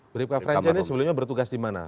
bribka francher ini sebelumnya bertugas di mana